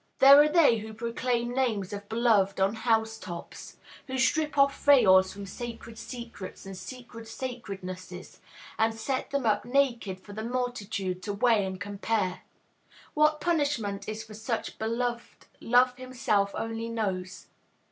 These are they who proclaim names of beloved on house tops; who strip off veils from sacred secrets and secret sacrednesses, and set them up naked for the multitude to weigh and compare. What punishment is for such beloved, Love himself only knows.